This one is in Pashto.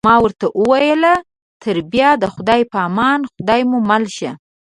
ما ورته وویل: تر بیا د خدای په امان، خدای مو مل شه.